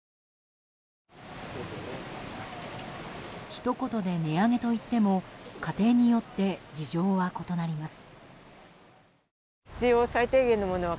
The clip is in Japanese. ひと言で値上げといっても家庭によって事情は異なります。